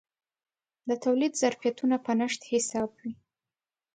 د تولید ظرفیتونه په نشت حساب وي.